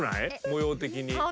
模様的に。